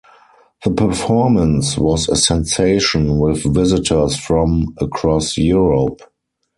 The performance was a sensation with visitors from across Europe.